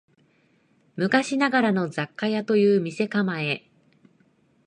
昔ながらの雑貨屋という店構え